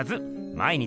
毎日！